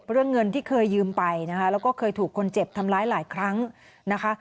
เรื่องเงินที่เคยยืมไปนะคะแล้วก็เคยถูกคนเจ็บทำร้ายหลายครั้งนะคะ